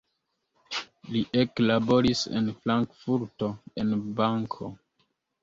Li eklaboris en Frankfurto en banko.